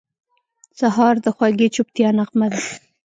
سهار د خوږې چوپتیا نغمه ده.